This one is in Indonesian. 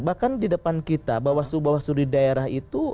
bahkan di depan kita bawasu bawaslu di daerah itu